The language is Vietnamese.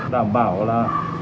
đảm bảo là